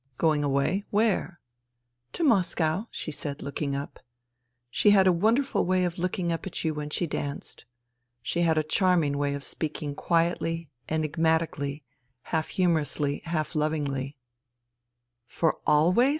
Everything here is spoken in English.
Going away ? Where ?"" To Moscow," she said, looking up. She had a wonderful way of looking up at you when she danced. She had a charming way of speaking quietly, enigmatically, half humorously, half lovingly. 22 FUTILITY " For always